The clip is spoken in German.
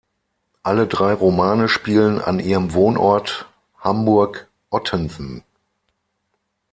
Alle drei Romane spielen an ihrem Wohnort Hamburg-Ottensen.